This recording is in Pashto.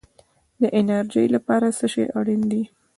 د انرژۍ لپاره څه شی اړین دی؟